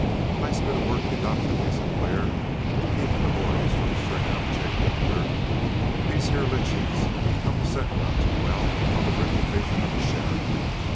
"Nice bit of work you done for me, Sinclair, keeping the boys from stringing up Jig, yonder. These here lynchings don't set none too well on the reputation of a sheriff.